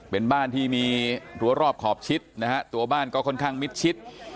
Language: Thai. เป็นบ้านที่มีรั้วรอบขอบชิดนะฮะตัวบ้านก็ค่อนข้างมิดชิด